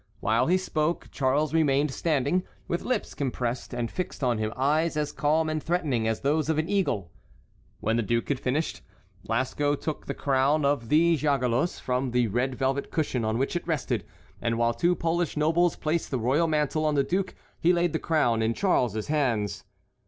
While he spoke, Charles remained standing, with lips compressed, and fixed on him eyes as calm and threatening as those of an eagle. When the duke had finished, Lasco took the crown of the Jagellos from the red velvet cushion on which it rested, and while two Polish nobles placed the royal mantle on the duke, he laid the crown in Charles's hands.